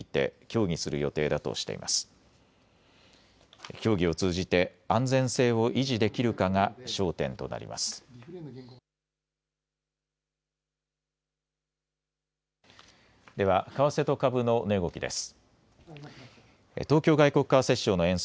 協議を通じて安全性を維持できるかが焦点となります。